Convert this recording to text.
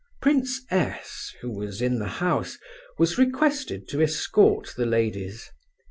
Prince S., who was in the house, was requested to escort the ladies.